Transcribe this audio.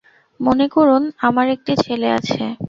মনে করুন, আমার একটি ছেলে আছে।